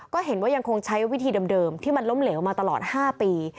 ก็เห็นว่ายังคงใช้วิธีเดิมที่มันล้มเหลวมาตลอด๕ปี